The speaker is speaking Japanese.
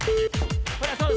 ほらそう。